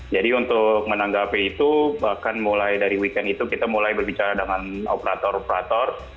jadi untuk menanggapi itu bahkan mulai dari weekend itu kita mulai berbicara dengan operator operator